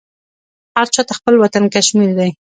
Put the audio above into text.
هر چاته خپل وطن کشمیر دی